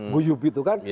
guyup itu kan